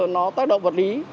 nó tác động vật lý